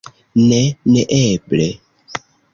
Ne, neeble.